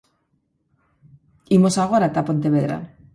Imos agora ata Pontevedra.